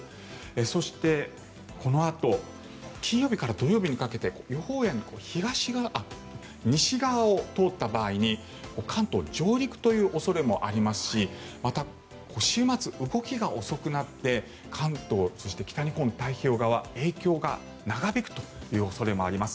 そして、このあと金曜日から土曜日にかけて予報円が西側を通った場合に関東上陸という恐れもありますしまた、週末動きが遅くなって関東、そして北日本の太平洋側影響が長引くという恐れもあります。